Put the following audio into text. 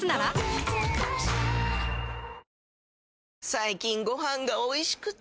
最近ご飯がおいしくて！